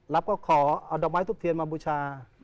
ก็ขอเอาดอกไม้ทุบเทียนมาบูชา